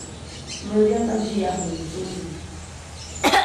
Näbyajpa, ndsyiʼyajuʼuŋ tumin.